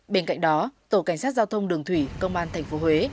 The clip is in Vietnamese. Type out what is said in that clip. bên cạnh đó tổ cảnh sát giao thông đường thủy công an tp huế